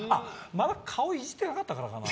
まだ顔いじってなかったからかな。